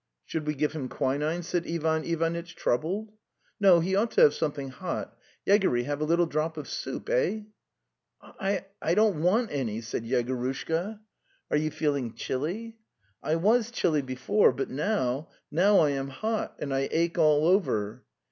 'Should we give him quinine? ... Ivanitch, troubled. ~* No; he ought to have something hot. ... Yegory, have a little drop of soup? Eh?" ries i dont want any, ') said Yeoorushkar "Are you feeling chilly?" '""T was chilly before, but now ... now I am hot. And ache alliever!